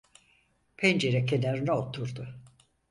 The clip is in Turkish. Pencere kenarına oturdu.